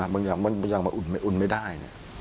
บางอย่างอุ่นไม่ได้